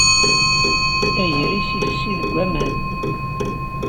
Agris ifessi deg waman.